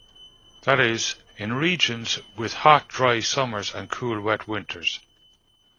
That is, in regions with hot dry summers and cool wet winters.